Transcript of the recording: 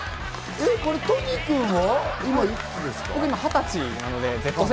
都仁君は今いくつですか？